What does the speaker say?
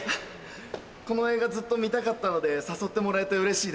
この映画ずっと見たかったので誘ってもらえてうれしいです。